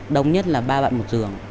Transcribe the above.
đông nhất là ba bạn một giường